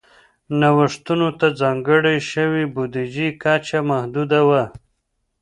نوښتونو ته ځانګړې شوې بودیجې کچه محدوده وه.